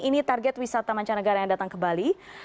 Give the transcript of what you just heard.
ini target wisata mancanegara yang datang ke bali